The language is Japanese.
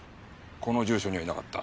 この住所にはいなかった。